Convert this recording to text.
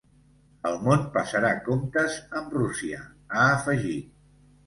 El món passarà comptes amb Rússia, ha afegit.